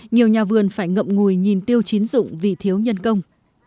nhiều nhà vườn phải ngậm ngùi nhìn tiêu chín dụng vì thiếu nhân công